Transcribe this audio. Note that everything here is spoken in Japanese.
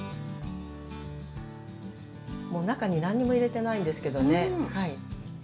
もう中に何にも入れてないんですけどね。